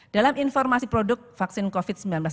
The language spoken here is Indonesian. dalam informasi produk vaksin covid sembilan belas